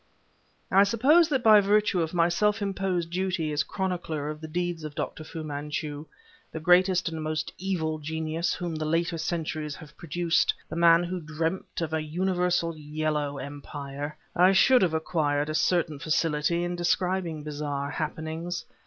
I suppose that by virtue of my self imposed duty as chronicler of the deeds of Dr. Fu Manchu the greatest and most evil genius whom the later centuries have produced, the man who dreamt of an universal Yellow Empire I should have acquired a certain facility in describing bizarre happenings.